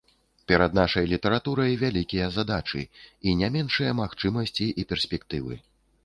Перад нашай літаратурай вялікія задачы і не меншыя магчымасці і перспектывы.